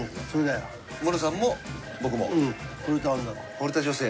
ほれた女性。